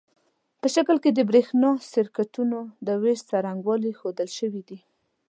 په شکل کې د برېښنا سرکټونو د وېش څرنګوالي ښودل شوي دي.